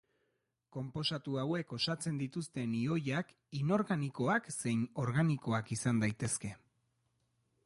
Konposatu hauek osatzen dituzten ioiak inorganikoak zein organikoak izan daitezke.